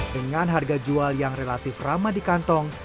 dengan harga jual yang relatif ramah di kantong